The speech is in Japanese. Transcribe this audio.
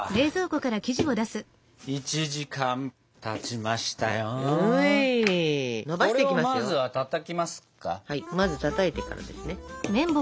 まずたたいてからですね。